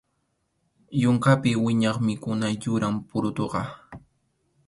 Yunkapi wiñaq mikhuna yuram purutuqa.